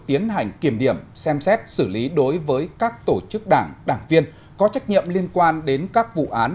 tiến hành kiểm điểm xem xét xử lý đối với các tổ chức đảng đảng viên có trách nhiệm liên quan đến các vụ án